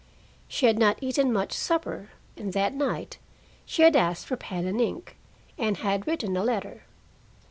She had not eaten much supper, and that night she had asked for pen and ink, and had written a letter.